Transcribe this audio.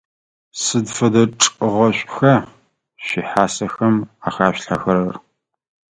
Сыд фэдэ чӏыгъэшӏуха шъуихьасэхэм ахашъулъхьэхэрэр?